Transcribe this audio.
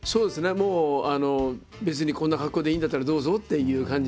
もう別に「こんな格好でいいんだったらどうぞ」っていう感じですよね。